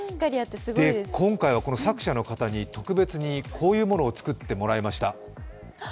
今回、作者の方に特別にこういうものを作ってもらいました。